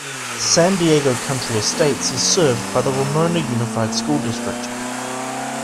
San Diego Country Estates is served by the Ramona Unified School District.